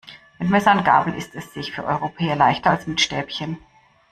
Mit Messer und Gabel isst es sich für Europäer leichter als mit Stäbchen.